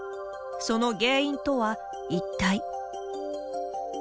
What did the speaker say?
その原因とは、一体。